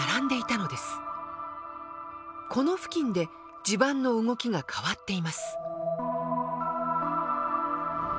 この付近で地盤の動きが変わっています。